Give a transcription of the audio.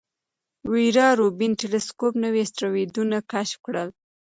ویرا روبین ټیلسکوپ نوي اسټروېډونه کشف کړل.